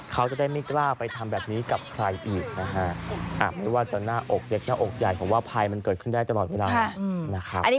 เขาจะได้ไม่กล้าไปทำแบบนี้กับใครอีกนะฮะไม่ว่าจะหน้าอกเล็กหน้าอกใหญ่ผมว่าภัยมันเกิดขึ้นได้ตลอดเวลานะครับ